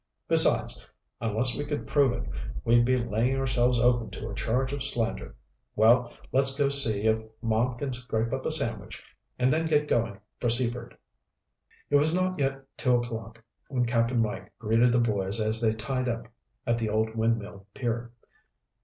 Besides, unless we could prove it, we'd be laying ourselves open to a charge of slander. Well, let's go see if Mom can scrape up a sandwich, and then get going for Seaford." It was not yet two o'clock when Cap'n Mike greeted the boys as they tied up at the old windmill pier.